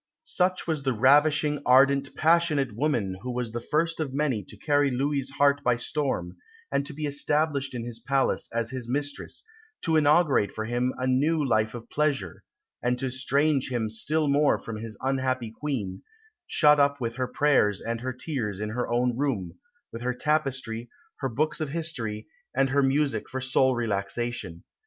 Such was the ravishing, ardent, passionate woman who was the first of many to carry Louis' heart by storm, and to be established in his palace as his mistress to inaugurate for him a new life of pleasure, and to estrange him still more from his unhappy Queen, shut up with her prayers and her tears in her own room, with her tapestry, her books of history, and her music for sole relaxation.